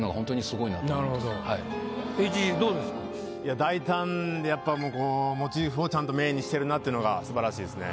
大胆でやっぱこうモチーフをちゃんとメインにしてるなっていうのが素晴らしいですね。